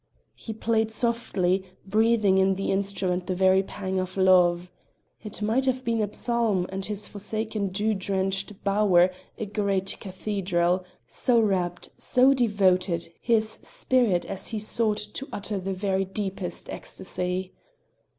He played softly, breathing in the instrument the very pang of love. It might have been a psalm and this forsaken dew drenched bower a great cathedral, so rapt, so devoted, his spirit as he sought to utter the very deepest ecstasy.